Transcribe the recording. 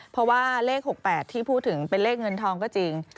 เพราะว่าเลข๖๘ที่พูดถึงเป็นเลขเงินทองก็จริง